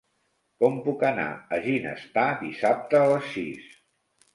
Com puc anar a Ginestar dissabte a les sis?